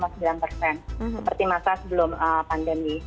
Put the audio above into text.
seperti masa sebelum pandemi